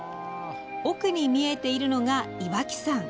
奥に見えているのが岩木山。